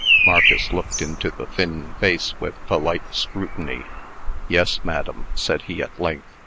Marcus looked into the thin face with polite scrutiny. "Yes, madam," said he, at length.